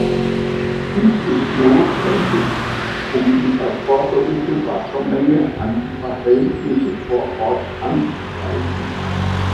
Dies ist notwendig, um die erforderliche Wassermenge an die Verhältnisse vor Ort anzugleichen.